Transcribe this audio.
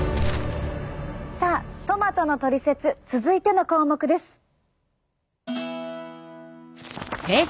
さあトマトのトリセツ続いての項目です。